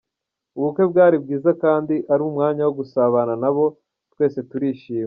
Ubukwe bwari bwiza kandi ari umwanya wo gusabana na bo, twese turishima.